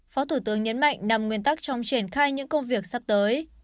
phó thủ tướng nhấn mạnh năm nguyên tắc trong triển khai những công việc sắp tới